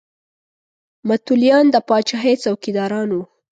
متولیان د پاچاهۍ څوکیداران وو.